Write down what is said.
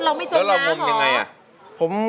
เพลงที่๑มูลค่า๑๐๐๐๐บาท